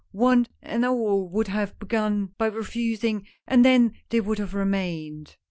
One and all would have begun by refusing, and then they would have remained.